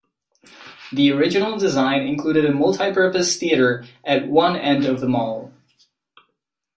The original design included a multipurpose theater at one end of the mall.